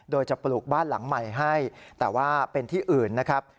โดยจะปลูกบ้านหลังใหม่ให้แต่ว่าเป็นที่อื่นนะครับ